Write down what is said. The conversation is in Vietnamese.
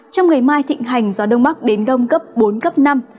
trong ngày mai thịnh hành gió đông bắc đến đông cấp bốn cấp năm